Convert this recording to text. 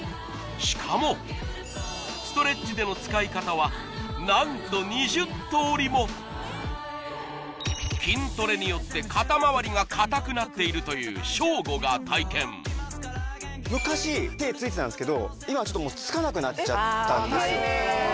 しかもストレッチでの使い方は何と２０通りも筋トレによって肩まわりが硬くなっているというショーゴが体験昔手ついてたんですけど今はつかなくなっちゃったんですよ